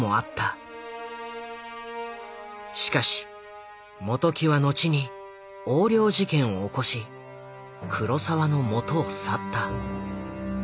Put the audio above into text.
しかし本木は後に横領事件を起こし黒澤のもとを去った。